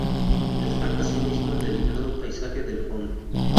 Destaca asimismo el delicado paisaje del fondo.